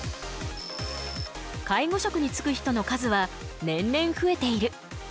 介護職につく人の数は年々増えている。